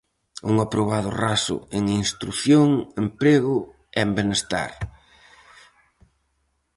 Un aprobado raso en instrución, emprego e en benestar.